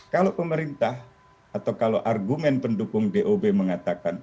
kalau pemerintah atau kalau argumen pendukung dob mengatakan